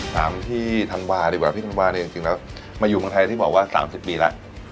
ถามพี่ธันวาดีกว่าพี่ธันวาเนี่ยจริงแล้วมาอยู่เมืองไทยที่บอกว่า๓๐ปีแล้ว